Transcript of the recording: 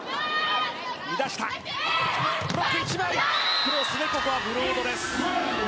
クロスでここはブロードです。